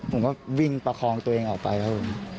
ผมก็วิ่งประคองตัวเองออกไปครับผม